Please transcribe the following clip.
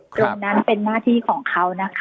ตรงนั้นเป็นหน้าที่ของเขานะคะ